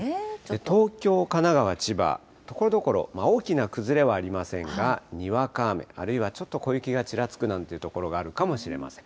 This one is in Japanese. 東京、神奈川、千葉、ところどころ、大きな崩れはありませんが、にわか雨、あるいはちょっと小雪がちらつくなんていう所もあるかもしれません。